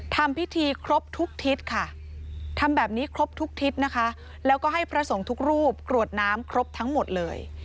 ทำพิธีครบทุกทิศค่ะทำแบบนี้ครบทุกทิศนะคะแล้วก็ให้พระสงฆ์ทุกรูปกรวดน้ำครบทั้งหมดเลย